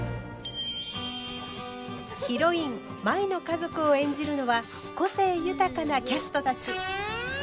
ヒロイン舞の家族を演じるのは個性豊かなキャストたち。